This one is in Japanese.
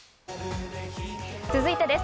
続いてです。